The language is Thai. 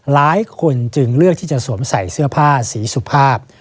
หลายคนจึงเลือกที่จะสวมใส่เสื้อผ้าสีสุภาพ